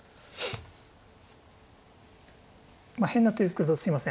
変な手ですけどすみません